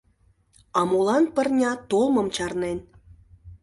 А молан пырня толмым чарнен?